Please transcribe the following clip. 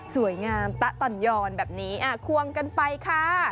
สวยงามตะต่อนยอนแบบนี้ควงกันไปค่ะ